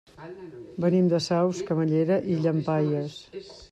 Venim de Saus, Camallera i Llampaies.